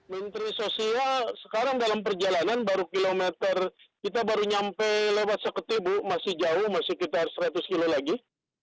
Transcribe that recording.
menteri sosial sekarang dalam perjalanan baru kilometer kita baru nyampe lewat seketi bu masih jauh masih sekitar seratus kilo lagi